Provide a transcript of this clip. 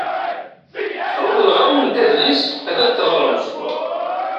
Reḍleɣ-awent adlis ad t-teɣremt.